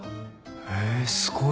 へぇすごい。